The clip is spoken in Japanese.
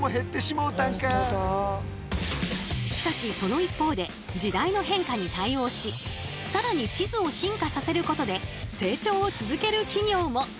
しかしその一方で時代の変化に対応し更に地図を進化させることで成長を続ける企業も。